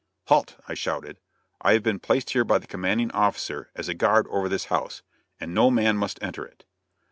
"Halt!" I shouted; "I have been placed here by the commanding officer as a guard over this house, and no man must enter it."